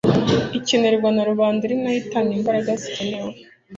ikemerwa na rubanda ari nayo itanga imbaraga zikenewe